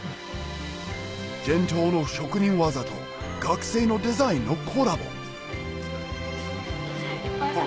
伝統の職人技と学生のデザインのコラボ